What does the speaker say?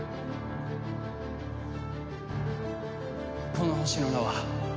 この星の名は？